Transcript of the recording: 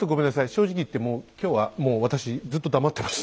正直言って今日はもう私ずっと黙ってます。